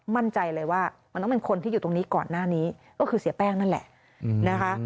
มั่นใจเลยว่ามันต้องเป็นคนที่อยู่ตรงนี้ก่อนหน้านี้ก็คือเสียแป้งนั่นแหละนะคะ